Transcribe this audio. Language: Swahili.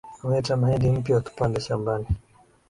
Ameleta mahindi mpya tupande shambani